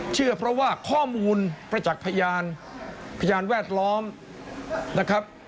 เชื่อเพราะว่าข้อมูลประจักษ์พยานพยานแวดล้อมนะครับ